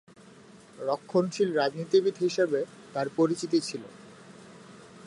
রক্ষণশীল রাজনীতিবিদ হিসেবে তার পরিচিতি ছিল।